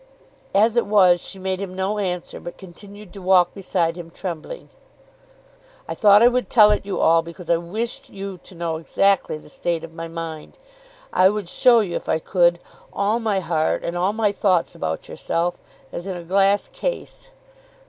As it was she made him no answer, but continued to walk beside him trembling. "I thought I would tell it you all, because I wish you to know exactly the state of my mind. I would show you if I could all my heart and all my thoughts about yourself as in a glass case.